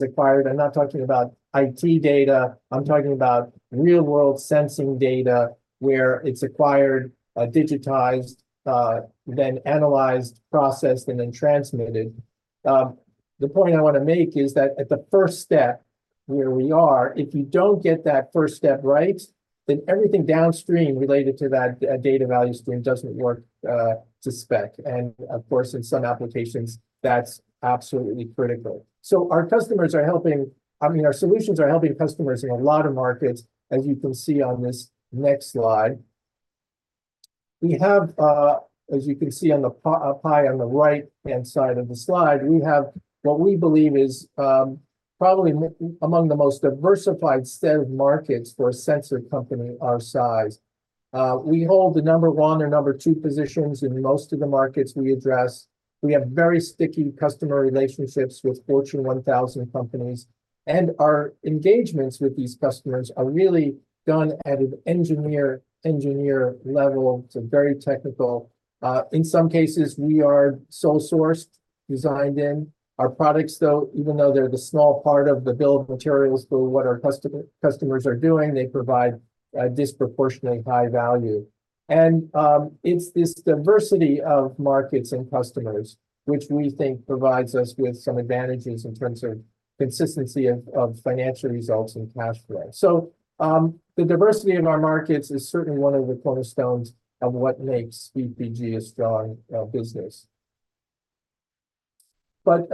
Acquired. I'm not talking about IT data, I'm talking about real-world sensing data where it's acquired, digitized, then analyzed, processed, and then transmitted. The point I want to make is that at the first step where we are, if you don't get that first step right, then everything downstream related to that data value stream doesn't work to spec. And of course, in some applications, that's absolutely critical. So our customers are helping, I mean, our solutions are helping customers in a lot of markets, as you can see on this next slide. We have, as you can see on the pie on the right-hand side of the slide, we have what we believe is probably among the most diversified set of markets for a sensor company our size. We hold the number 1 or number 2 positions in most of the markets we address. We have very sticky customer relationships with Fortune 1000 companies, and our engagements with these customers are really done at an engineer level. It's very technical. In some cases, we are sole-sourced, designed in. Our products, though, even though they're the small part of the bill of materials for what our customers are doing, they provide disproportionately high value. And it's this diversity of markets and customers which we think provides us with some advantages in terms of consistency of financial results and cash flow. So the diversity of our markets is certainly one of the cornerstones of what makes VPG a strong business. But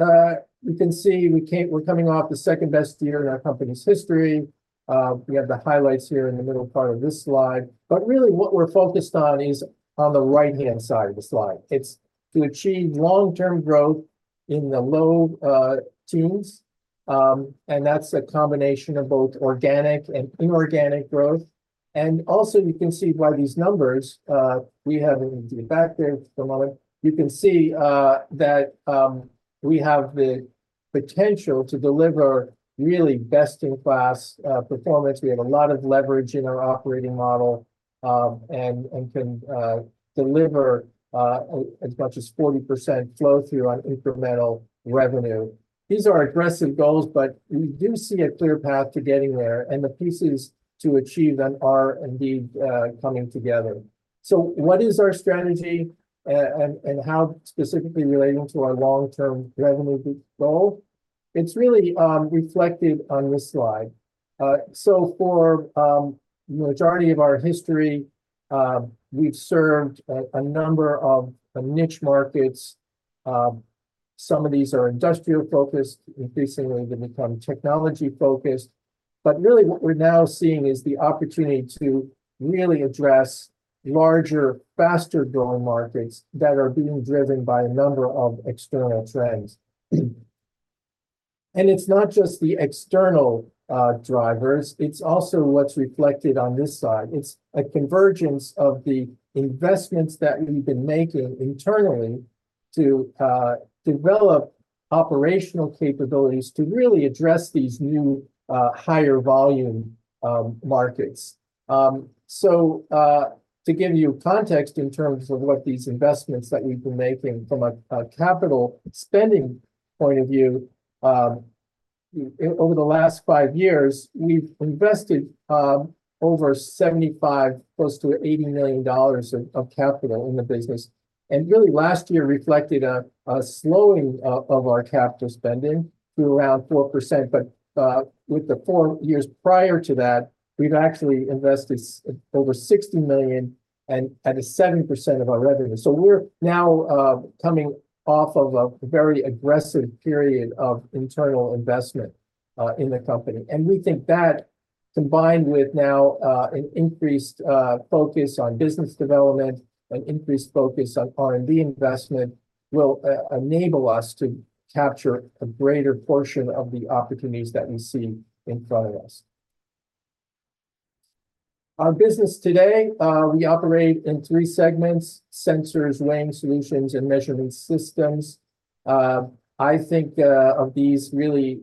you can see we're coming off the second-best year in our company's history. We have the highlights here in the middle part of this slide. But really, what we're focused on is on the right-hand side of the slide. It's to achieve long-term growth in the low teens, and that's a combination of both organic and inorganic growth. Also, you can see by these numbers, we have the back there for a moment, you can see that we have the potential to deliver really best-in-class performance. We have a lot of leverage in our operating model and can deliver as much as 40% flow-through on incremental revenue. These are aggressive goals, but we do see a clear path to getting there, and the pieces to achieve them are indeed coming together. So what is our strategy and how specifically relating to our long-term revenue goal? It's really reflected on this slide. So for the majority of our history, we've served a number of niche markets. Some of these are industrial-focused. Increasingly, they become technology-focused. But really, what we're now seeing is the opportunity to really address larger, faster-growing markets that are being driven by a number of external trends. And it's not just the external drivers. It's also what's reflected on this side. It's a convergence of the investments that we've been making internally to develop operational capabilities to really address these new, higher-volume markets. So to give you context in terms of what these investments that we've been making from a capital spending point of view, over the last five years, we've invested over $75 million, close to $80 million of capital in the business. And really, last year reflected a slowing of our capital spending to around 4%. But with the four years prior to that, we've actually invested over $60 million at a 7% of our revenue. So we're now coming off of a very aggressive period of internal investment in the company. And we think that, combined with now an increased focus on business development, an increased focus on R&D investment, will enable us to capture a greater portion of the opportunities that we see in front of us. Our business today, we operate in three segments: sensors, weighing solutions, and measurement systems. I think of these really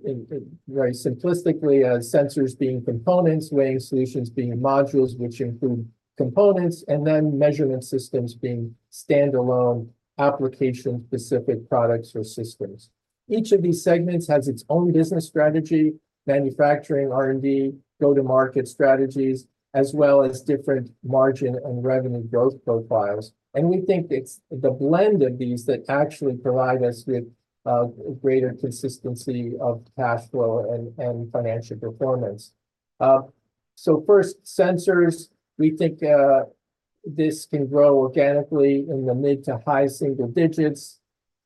very simplistically as sensors being components, weighing solutions being modules which include components, and then measurement systems being standalone, application-specific products or systems. Each of these segments has its own business strategy: manufacturing, R&D, go-to-market strategies, as well as different margin and revenue growth profiles. And we think it's the blend of these that actually provide us with greater consistency of cash flow and financial performance. So first, sensors. We think this can grow organically in the mid- to high-single digits.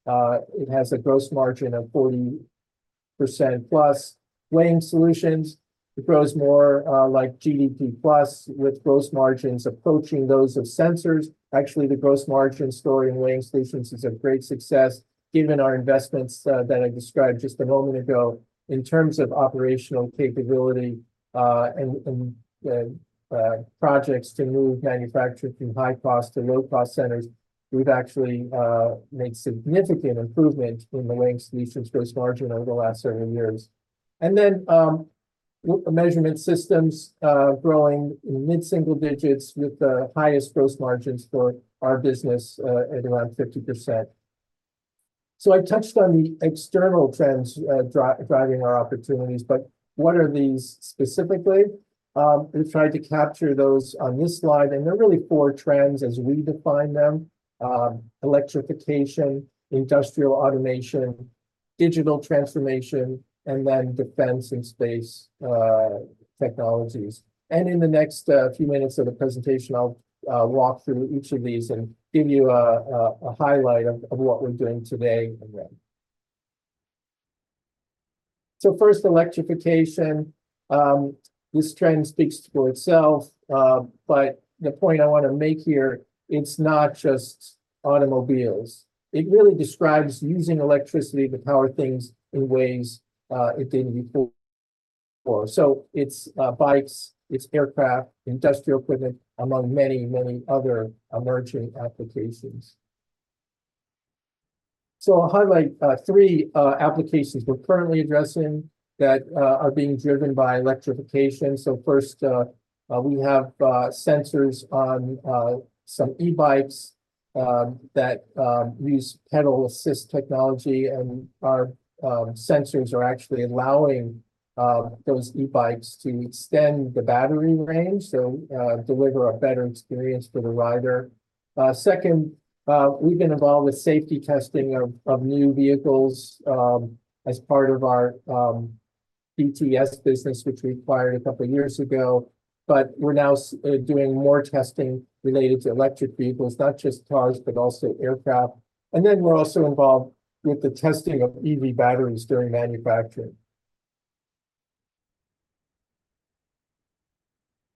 It has a gross margin of 40%-plus. Weighing solutions, it grows more like GDP-plus with gross margins approaching those of sensors. Actually, the gross margin story in weighing solutions is of great success given our investments that I described just a moment ago. In terms of operational capability and projects to move manufacturing from high-cost to low-cost centers, we've actually made significant improvement in the weighing solutions gross margin over the last several years. And then measurement systems growing in mid-single digits with the highest gross margins for our business at around 50%. So I touched on the external trends driving our opportunities, but what are these specifically? We've tried to capture those on this slide, and they're really four trends as we define them: electrification, industrial automation, digital transformation, and then defense and space technologies. In the next few minutes of the presentation, I'll walk through each of these and give you a highlight of what we're doing today and then. So first, electrification. This trend speaks for itself. But the point I want to make here, it's not just automobiles. It really describes using electricity to power things in ways it didn't before. So it's bikes, it's aircraft, industrial equipment, among many, many other emerging applications. So I'll highlight three applications we're currently addressing that are being driven by electrification. So first, we have sensors on some e-bikes that use pedal-assist technology, and our sensors are actually allowing those e-bikes to extend the battery range so deliver a better experience for the rider. Second, we've been involved with safety testing of new vehicles as part of our BTS business, which we acquired a couple of years ago. But we're now doing more testing related to electric vehicles, not just cars, but also aircraft. And then we're also involved with the testing of EV batteries during manufacturing.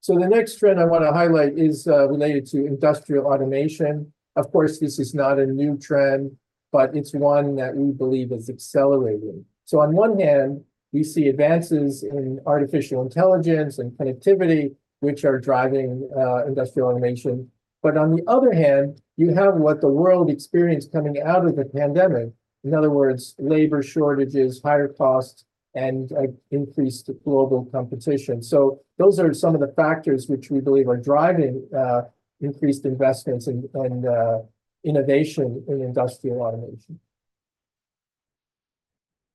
So the next trend I want to highlight is related to industrial automation. Of course, this is not a new trend, but it's one that we believe is accelerating. So on one hand, we see advances in artificial intelligence and connectivity, which are driving industrial automation. But on the other hand, you have what the world experienced coming out of the pandemic, in other words, labor shortages, higher costs, and increased global competition. So those are some of the factors which we believe are driving increased investments and innovation in industrial automation.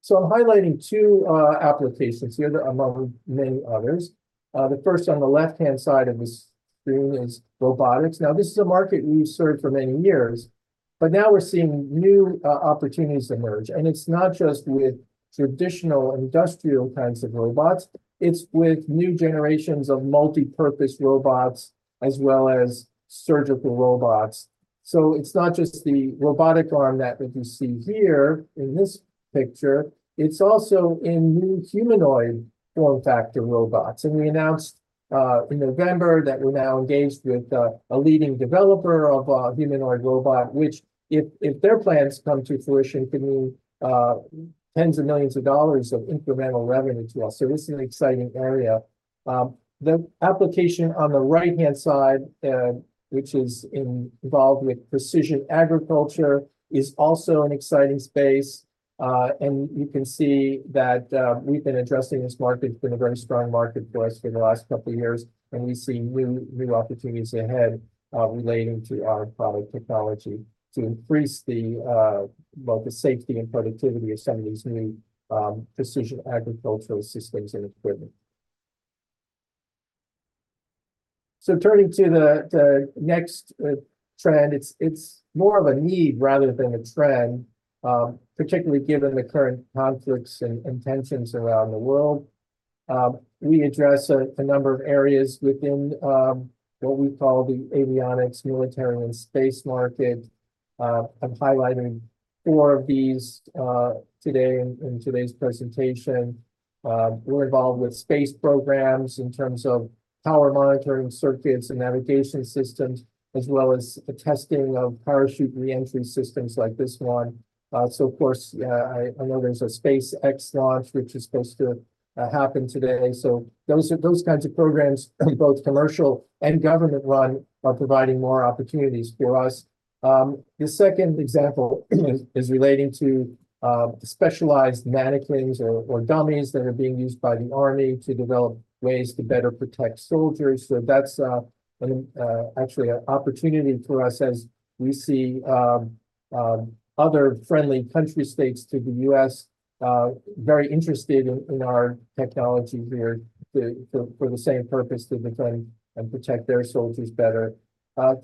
So I'm highlighting two applications here among many others. The first on the left-hand side of the screen is robotics. Now, this is a market we've served for many years, but now we're seeing new opportunities emerge. And it's not just with traditional industrial kinds of robots. It's with new generations of multipurpose robots as well as surgical robots. So it's not just the robotic arm that you see here in this picture. It's also in new humanoid form factor robots. And we announced in November that we're now engaged with a leading developer of a humanoid robot, which, if their plans come to fruition, could mean $tens of millions of incremental revenue to us. So this is an exciting area. The application on the right-hand side, which is involved with precision agriculture, is also an exciting space. And you can see that we've been addressing this market. It's been a very strong market for us for the last couple of years, and we see new opportunities ahead relating to our product technology to increase both the safety and productivity of some of these new precision agricultural systems and equipment. So turning to the next trend, it's more of a need rather than a trend, particularly given the current conflicts and tensions around the world. We address a number of areas within what we call the avionics, military, and space market. I'm highlighting four of these today in today's presentation. We're involved with space programs in terms of power monitoring circuits and navigation systems, as well as the testing of parachute reentry systems like this one. So, of course, I know there's a SpaceX launch, which is supposed to happen today. So those kinds of programs, both commercial and government-run, are providing more opportunities for us. The second example is relating to specialized mannequins or dummies that are being used by the Army to develop ways to better protect soldiers. So that's actually an opportunity for us as we see other friendly country states to the U.S. very interested in our technology here for the same purpose to defend and protect their soldiers better.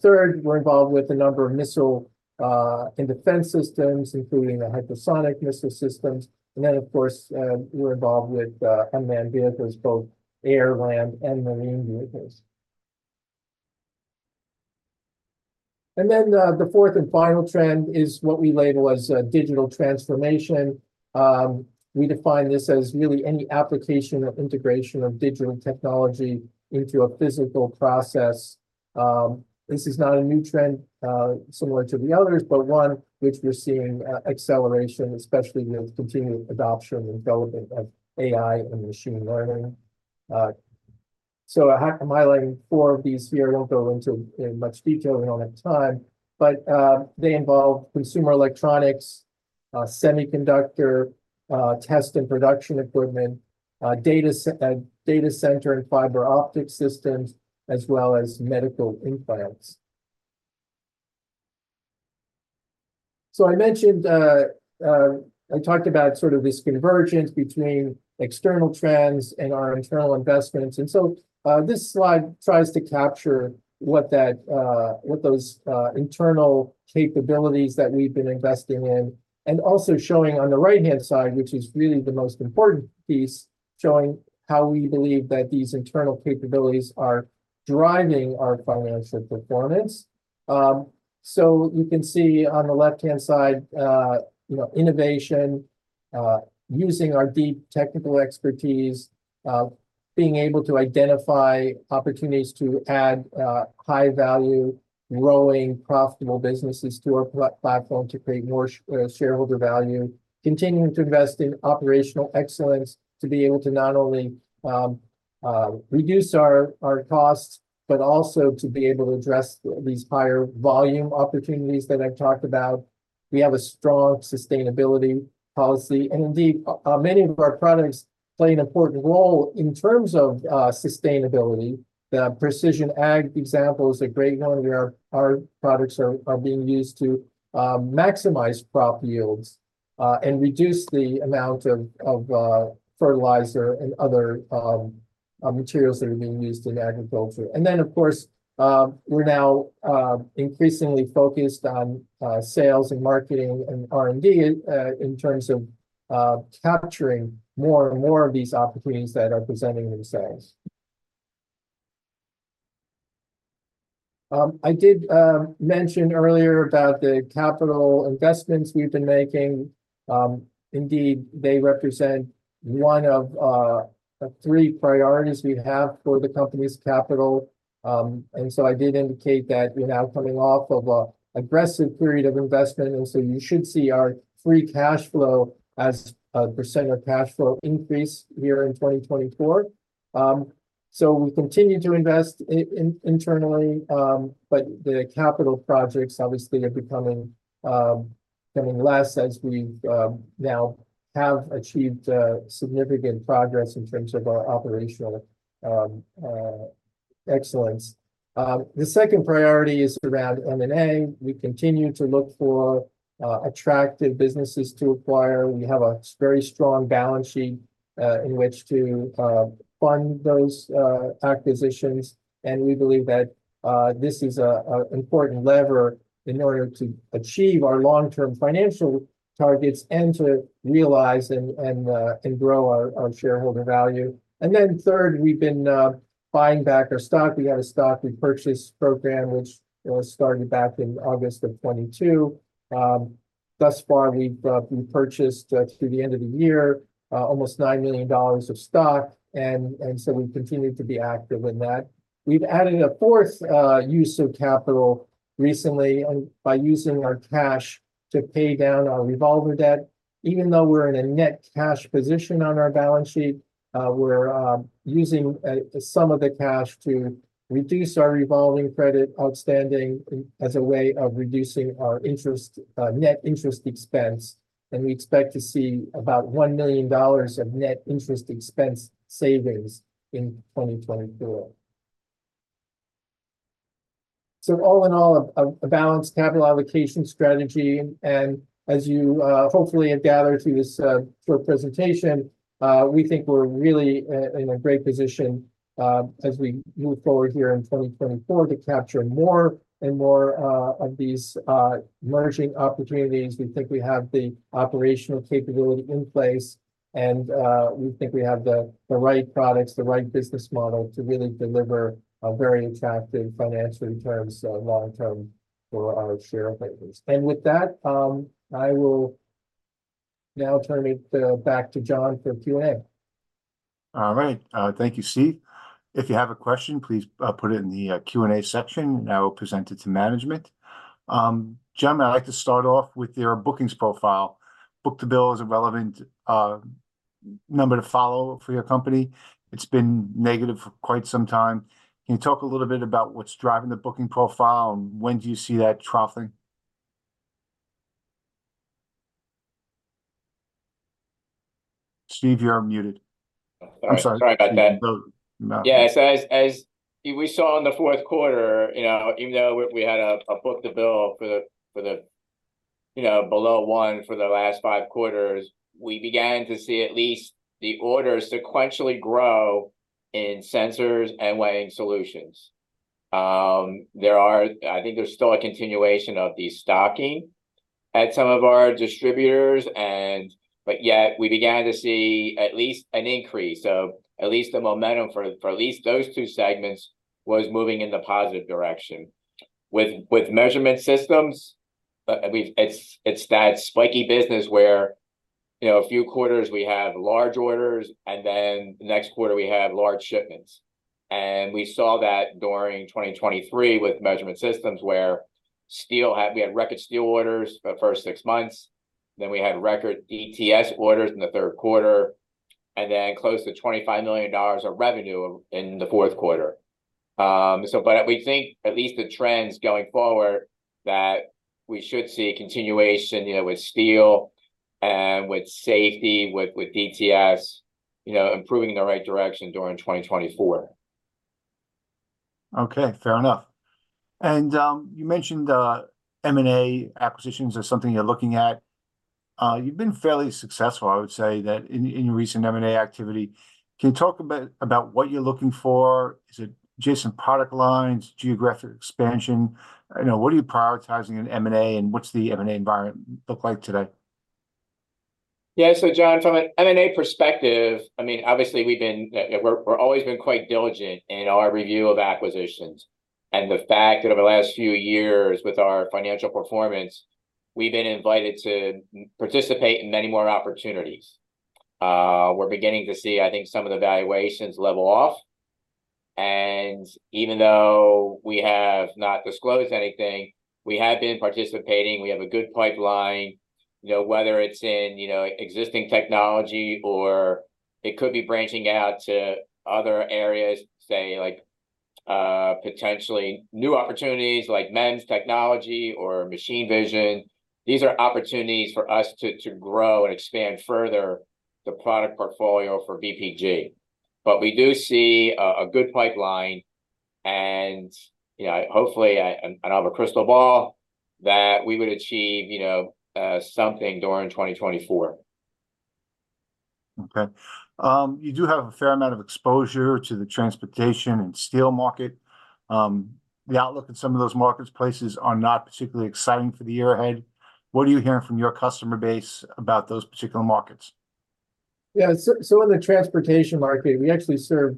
Third, we're involved with a number of missile and defense systems, including the hypersonic missile systems. And then, of course, we're involved with unmanned vehicles, both air, land, and marine vehicles. And then the fourth and final trend is what we label as digital transformation. We define this as really any application or integration of digital technology into a physical process. This is not a new trend similar to the others, but one which we're seeing acceleration, especially with continued adoption and development of AI and machine learning. So I'm highlighting four of these here. I won't go into much detail. We don't have time. But they involve consumer electronics, semiconductor test and production equipment, data center and fiber optic systems, as well as medical implants. So I mentioned I talked about sort of this convergence between external trends and our internal investments. And so this slide tries to capture what those internal capabilities that we've been investing in and also showing on the right-hand side, which is really the most important piece, showing how we believe that these internal capabilities are driving our financial performance. So you can see on the left-hand side, innovation, using our deep technical expertise, being able to identify opportunities to add high-value, growing, profitable businesses to our platform to create more shareholder value, continuing to invest in operational excellence to be able to not only reduce our costs but also to be able to address these higher-volume opportunities that I've talked about. We have a strong sustainability policy. And indeed, many of our products play an important role in terms of sustainability. The Precision Ag example is a great one where our products are being used to maximize crop yields and reduce the amount of fertilizer and other materials that are being used in agriculture. And then, of course, we're now increasingly focused on sales and marketing and R&D in terms of capturing more and more of these opportunities that are presenting themselves. I did mention earlier about the capital investments we've been making. Indeed, they represent one of three priorities we have for the company's capital. I did indicate that we're now coming off of an aggressive period of investment. You should see our free cash flow as a % of cash flow increase here in 2024. We continue to invest internally, but the capital projects, obviously, are becoming less as we now have achieved significant progress in terms of our operational excellence. The second priority is around M&A. We continue to look for attractive businesses to acquire. We have a very strong balance sheet in which to fund those acquisitions. We believe that this is an important lever in order to achieve our long-term financial targets and to realize and grow our shareholder value. Third, we've been buying back our stock. We had a stock repurchase program, which started back in August of 2022. Thus far, we've repurchased through the end of the year almost $9 million of stock. And so we continue to be active in that. We've added a fourth use of capital recently by using our cash to pay down our revolver debt. Even though we're in a net cash position on our balance sheet, we're using some of the cash to reduce our revolving credit outstanding as a way of reducing our net interest expense. And we expect to see about $1 million of net interest expense savings in 2024. So all in all, a balanced capital allocation strategy. And as you hopefully have gathered through this short presentation, we think we're really in a great position as we move forward here in 2024 to capture more and more of these emerging opportunities. We think we have the operational capability in place, and we think we have the right products, the right business model to really deliver very attractive financial returns long-term for our shareholders. And with that, I will now turn it back to John for Q&A. All right. Thank you, Steve. If you have a question, please put it in the Q&A section, and I will present it to management. Jim, I'd like to start off with your bookings profile. Book-to-bill is a relevant number to follow for your company. It's been negative for quite some time. Can you talk a little bit about what's driving the booking profile and when do you see that troughing? Steve, you're muted. I'm sorry. Sorry about that. Yeah. So as we saw in the fourth quarter, even though we had a book-to-bill below 1 for the last five quarters, we began to see at least the orders sequentially grow in Sensors and Weighing Solutions. I think there's still a continuation of the stocking at some of our distributors, but yet we began to see at least an increase. So at least the momentum for at least those two segments was moving in the positive direction. With Measurement Systems, it's that spiky business where a few quarters we have large orders, and then the next quarter we have large shipments. And we saw that during 2023 with Measurement Systems where we had record steel orders for the first six months. Then we had record DTS orders in the third quarter, and then close to $25 million of revenue in the fourth quarter. But we think at least the trends going forward that we should see a continuation with steel and with safety, with DTS improving in the right direction during 2024. Okay. Fair enough. You mentioned M&A acquisitions as something you're looking at. You've been fairly successful, I would say, in your recent M&A activity. Can you talk about what you're looking for? Is it adjacent product lines, geographic expansion? What are you prioritizing in M&A, and what's the M&A environment look like today? Yeah. So John, from an M&A perspective, I mean, obviously, we've always been quite diligent in our review of acquisitions. And the fact that over the last few years with our financial performance, we've been invited to participate in many more opportunities. We're beginning to see, I think, some of the valuations level off. And even though we have not disclosed anything, we have been participating. We have a good pipeline, whether it's in existing technology or it could be branching out to other areas, say, potentially new opportunities like MEMS technology or machine vision. These are opportunities for us to grow and expand further the product portfolio for VPG. But we do see a good pipeline. And hopefully, I don't have a crystal ball, that we would achieve something during 2024. Okay. You do have a fair amount of exposure to the transportation and steel market. The outlook in some of those marketplaces are not particularly exciting for the year ahead. What are you hearing from your customer base about those particular markets? Yeah. So in the transportation market, we actually serve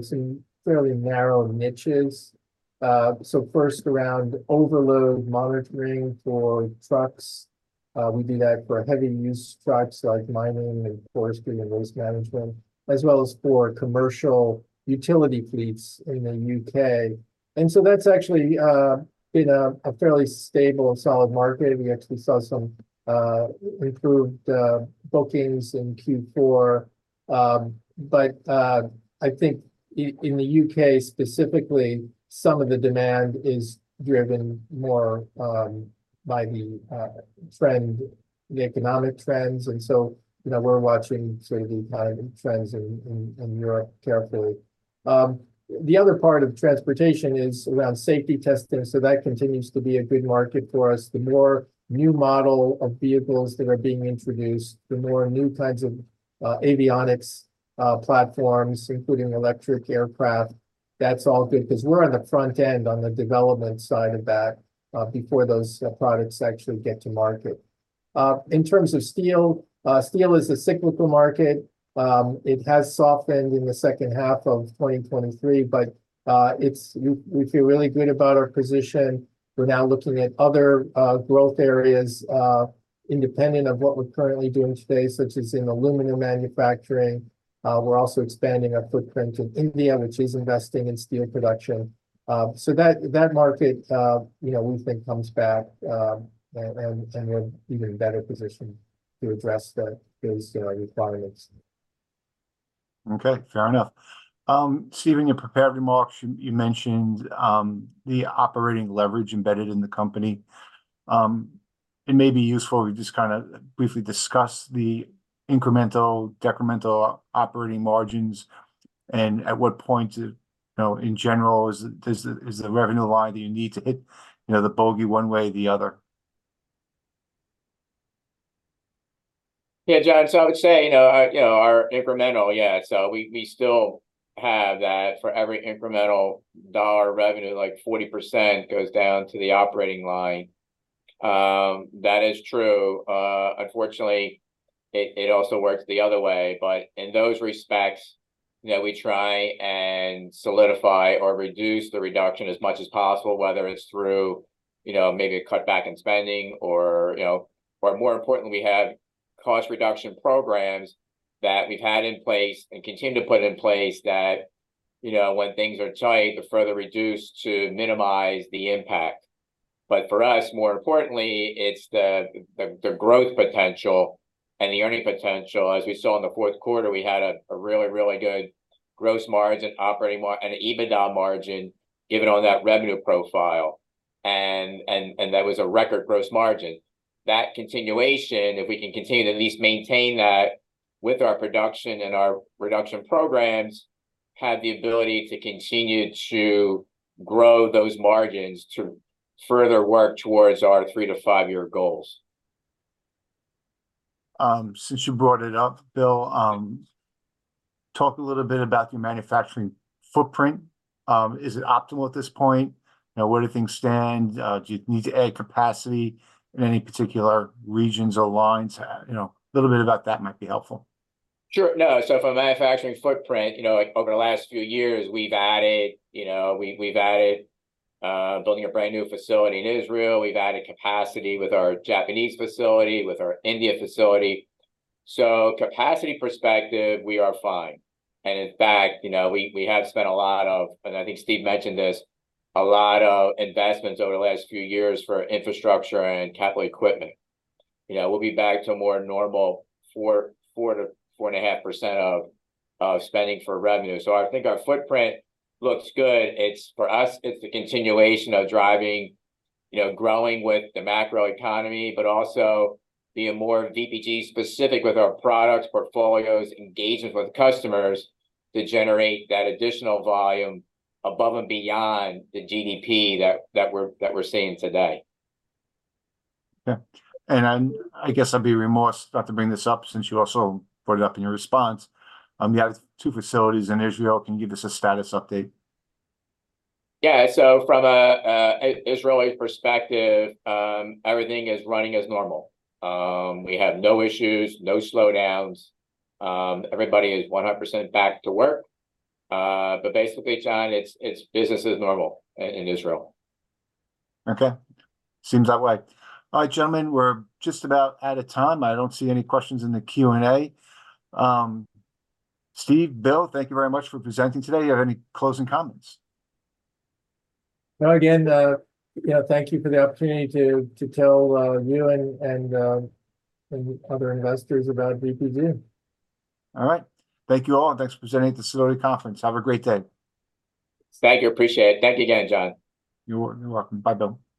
some fairly narrow niches. First, around overload monitoring for trucks. We do that for heavy-use trucks like mining and forestry and waste management, as well as for commercial utility fleets in the U.K. And so that's actually been a fairly stable and solid market. We actually saw some improved bookings in Q4. But I think in the U.K. specifically, some of the demand is driven more by the economic trends. And so we're watching sort of the economic trends in Europe carefully. The other part of transportation is around safety testing. So that continues to be a good market for us. The more new model of vehicles that are being introduced, the more new kinds of avionics platforms, including electric aircraft, that's all good because we're on the front end, on the development side of that before those products actually get to market. In terms of steel, steel is a cyclical market. It has softened in the second half of 2023, but we feel really good about our position. We're now looking at other growth areas independent of what we're currently doing today, such as in aluminum manufacturing. We're also expanding our footprint in India, which is investing in steel production. So that market, we think, comes back, and we're in an even better position to address those requirements. Okay. Fair enough. Steve, your prepared remarks, you mentioned the operating leverage embedded in the company. It may be useful if we just kind of briefly discuss the incremental, decremental operating margins and at what points, in general, is the revenue line that you need to hit the bogey one way or the other? Yeah, John. So I would say our incremental, yeah. So we still have that for every incremental $1 of revenue, like 40% goes down to the operating line. That is true. Unfortunately, it also works the other way. But in those respects, we try and solidify or reduce the reduction as much as possible, whether it's through maybe a cutback in spending or, more importantly, we have cost reduction programs that we've had in place and continue to put in place that when things are tight, they're further reduced to minimize the impact. But for us, more importantly, it's the growth potential and the earning potential. As we saw in the fourth quarter, we had a really, really good gross margin and an EBITDA margin given on that revenue profile, and that was a record gross margin. That continuation, if we can continue to at least maintain that with our production and our reduction programs, have the ability to continue to grow those margins to further work towards our 3-5-year goals. Since you brought it up, Bill, talk a little bit about your manufacturing footprint. Is it optimal at this point? Where do things stand? Do you need to add capacity in any particular regions or lines? A little bit about that might be helpful. Sure. No. So for manufacturing footprint, over the last few years, we've added building a brand new facility in Israel. We've added capacity with our Japanese facility, with our India facility. So capacity perspective, we are fine. And in fact, we have spent a lot of and I think Steve mentioned this, a lot of investments over the last few years for infrastructure and capital equipment. We'll be back to more normal 4%-4.5% of spending for revenue. So I think our footprint looks good. For us, it's the continuation of growing with the macroeconomy, but also being more VPG-specific with our product portfolios, engagements with customers to generate that additional volume above and beyond the GDP that we're seeing today. Okay. And I guess I'd be remiss not to bring this up since you also brought it up in your response. You have two facilities in Israel. Can you give us a status update? Yeah. So from an Israeli perspective, everything is running as normal. We have no issues, no slowdowns. Everybody is 100% back to work. But basically, John, it's business as normal in Israel. Okay. Seems that way. All right, gentlemen, we're just about out of time. I don't see any questions in the Q&A. Steve, Bill, thank you very much for presenting today. Do you have any closing comments? Well, again, thank you for the opportunity to tell you and other investors about VPG. All right. Thank you all, and thanks for presenting at the Sidoti & Company conference. Have a great day. Thank you. Appreciate it. Thank you again, John. You're welcome. Bye-bye.